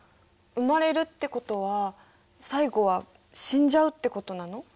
生まれるってことは最後は死んじゃうってことなの？